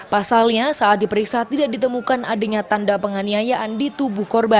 pasalnya saat diperiksa tidak ditemukan adanya tanda penganiayaan di tubuh korban